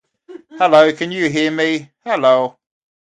Raynham is host to several organizations of various religious denominations.